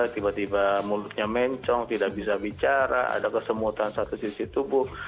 tiba tiba mulutnya mencong tidak bisa bicara ada kesemutan satu sisi tubuh